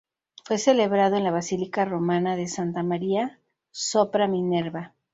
Fue celebrado en la basílica romana de Santa María sopra Minerva.